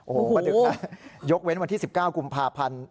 โอ้โหประดึกนะยกเว้นวันที่๑๙กุมภาพันธ์